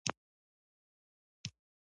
د شاعر شعر قلم زیږوي.